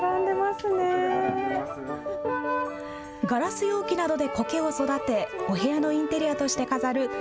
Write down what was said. ガラス容器などでこけを育てお部屋のインテリアとして飾る